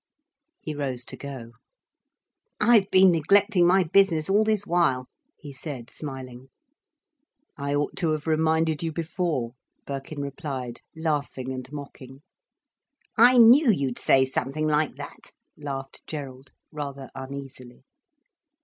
He rose to go. "I've been neglecting my business all this while," he said smiling. "I ought to have reminded you before," Birkin replied, laughing and mocking. "I knew you'd say something like that," laughed Gerald, rather uneasily.